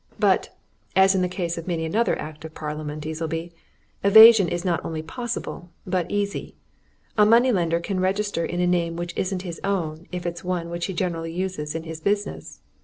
But, as in the case of many another Act of Parliament, Easleby, evasion is not only possible, but easy. A money lender can register in a name which isn't his own if it's one which he generally uses in his business.